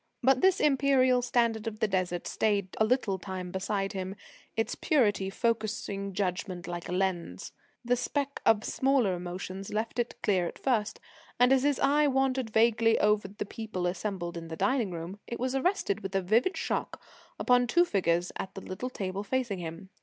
But this imperial standard of the Desert stayed a little time beside him, its purity focussing judgment like a lens. The specks of smaller emotions left it clear at first, and as his eye wandered vaguely over the people assembled in the dining room, it was arrested with a vivid shock upon two figures at the little table facing him.